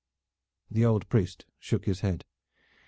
The old priest shook his head.